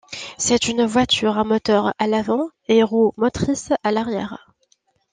C'est une voiture à moteur à l'avant et roues motrices à l'arrière.